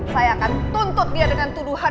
saya akan tuntut dia dengan tuduhan